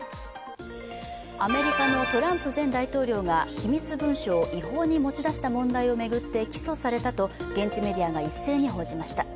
アメリカのトランプ前大統領が機密文書を違法に持ち出した問題を巡って起訴されたと現地メディアが一斉に報じました。